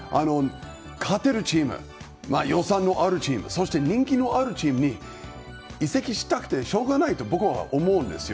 勝てるチーム、予算のあるチームそして人気のあるチームに移籍したくてしょうがないと僕は思うんですよ。